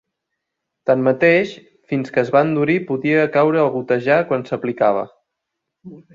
Tanmateix, fins que es va endurir, podia caure o gotejar quan s'aplicava.